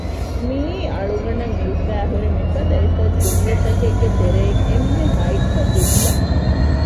މިއީ އަޅުގަނޑަށް އިވިފައި ހުރި މި ފަދަ އެތައް ޖުމުލަތަކެއްގެ ތެރެއިން އެންމެ ހައެއްކަ ޖުމުލައެއް